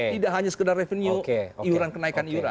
tidak hanya sekedar revenue iuran kenaikan iuran